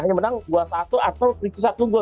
hanya menang dua satu atau sedikit satu goal